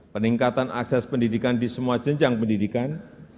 peningkatan akses pendidikan di semua jenjang pendidikan